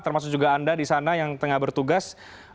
termasuk juga anda di sana yang tengah bertugas